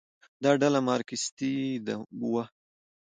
دا ډله مارکسیستي وه.